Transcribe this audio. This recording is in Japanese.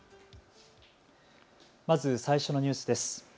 まず最初のニュースです。